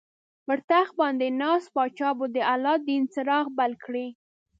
پر تخت باندې ناست پاچا به د الله دین څراغ بل کړي.